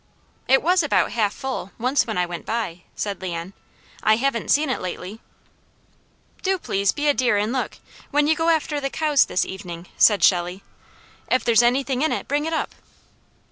"It was about half full, once when I went by," said Leon. "I haven't seen it lately." "Do please be a dear and look, when you go after the cows this evening," said Shelley. "If there's anything in it, bring it up."